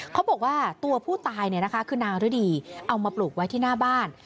เขาบอกว่าตัวผู้ตายคือนางฤดีเอามาปลูกไว้ที่หน้าบ้าน